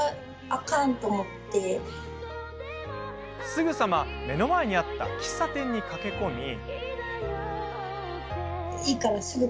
すぐさま、目の前にあった喫茶店に駆け込んで。